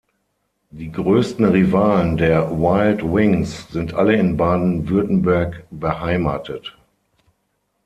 Die größten Rivalen der Wild Wings sind alle in Baden-Württemberg beheimatet.